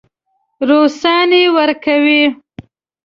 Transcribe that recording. روسان یې ورکوي.